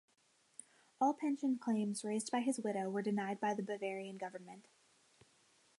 All pension claims raised by his widow were denied by the Bavarian government.